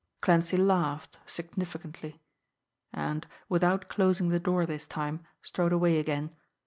Clancy laughed significantly; and, without closing the door this time, strode away again.